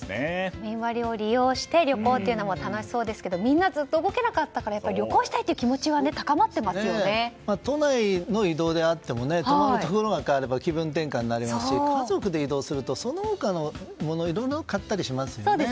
都民割を利用して旅行というのも楽しそうですけどみんなずっと動けなかったから旅行したいという気持ちは都内の移動であっても泊まるところが変われば気分転換になりますし家族で移動するといろいろ買ったりしますよね。